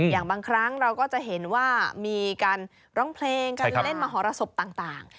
อย่างบางครั้งเราก็จะเห็นว่ามีการร้องเพลงการเล่นมหรสบต่าง